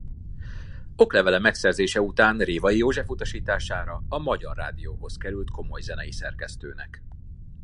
Oklevele megszerzése után Révai József utasítására a Magyar Rádióhoz került komolyzenei szerkesztőnek.